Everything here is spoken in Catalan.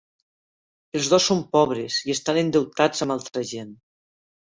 El dos són pobres i estan endeutats amb altra gent.